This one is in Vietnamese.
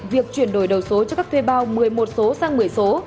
việc chuyển đổi đầu số cho các thuê bao một mươi một số sang một mươi số